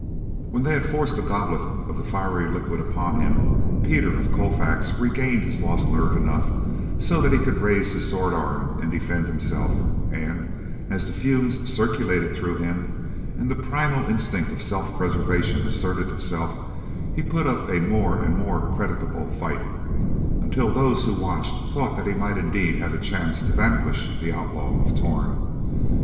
When they had forced a goblet of the fiery liquid upon him, Peter of Colfax regained his lost nerve enough so that he could raise his sword arm and defend himself and, as the fumes circulated through him, and the primal instinct of self preservation asserted itself, he put up a more and more creditable fight, until those who watched thought that he might indeed have a chance to vanquish the Outlaw of Torn.